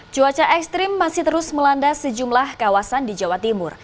cuaca ekstrim masih terus melanda sejumlah kawasan di jawa timur